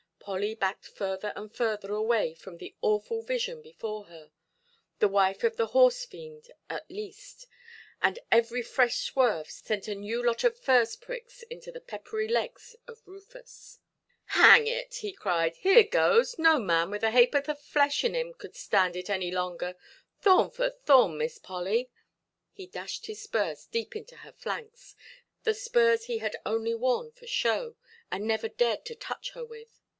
Polly backed further and further away from the awful vision before her—the wife of the horse–fiend at least—and every fresh swerve sent a new lot of furze–pricks into the peppery legs of Rufus. "Hang it"! he cried, "here goes; no man with a haʼporth of flesh in him could stand it any longer. Thorn for thorn, Miss Polly". He dashed his spurs deep into her flanks, the spurs he had only worn for show, and never dared to touch her with.